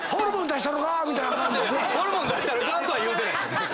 「ホルモン出したろか？」とは言うてないです。